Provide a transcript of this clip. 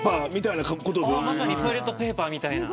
トイレットペーパーみたいな。